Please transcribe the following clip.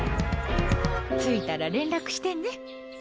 着いたら連絡してね。